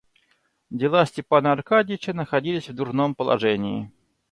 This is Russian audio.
Дела Степана Аркадьича находились в дурном положении.